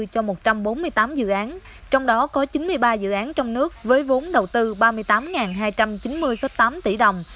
cho một trăm bốn mươi tám dự án trong đó có chín mươi ba dự án trong nước với vốn đầu tư ba mươi tám hai trăm chín mươi tám tỷ đồng